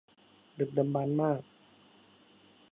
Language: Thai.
ดึกดำบรรพ์มาก